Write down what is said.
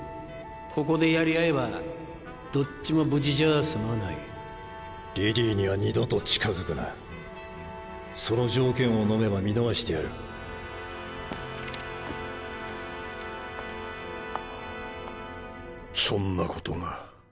ここでやり合えばどっちも無事じゃあ済まないリリーには二度と近づくなその条件をのめば見逃してやるそんなことが。